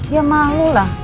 ya malu lah